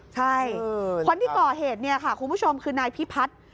ใช่คนที่ก่อเหตุเนี่ยค่ะคุณผู้ชมคือนายพิพัฒน์